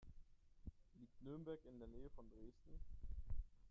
Liegt Nürnberg in der Nähe von Dresden?